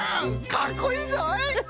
かっこいいぞい！